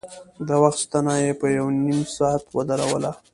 د وخت ستنه يې په نيم ساعت ودروله.